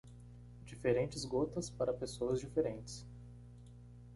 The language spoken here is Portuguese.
Diferentes gotas para pessoas diferentes.